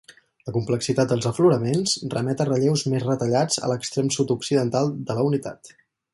La complexitat dels afloraments remet a relleus més retallats a l'extrem sud-occidental de la unitat.